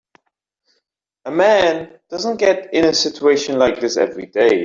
A man doesn't get in a situation like this every day.